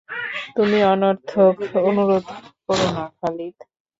তুমি অনর্থক অনুরোধ করো না খালিদ।